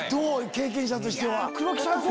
経験者としては。